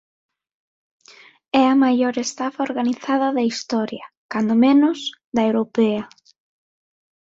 É a maior estafa organizada da historia, cando menos, da europea.